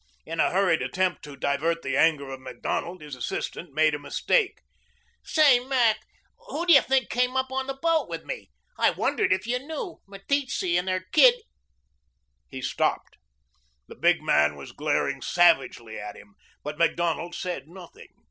In a hurried attempt to divert the anger of Macdonald, his assistant made a mistake. "Say, Mac! Who do you think came up on the boat with me? I wondered if you knew. Meteetse and her kid " He stopped. The big man was glaring savagely at him. But Macdonald said nothing.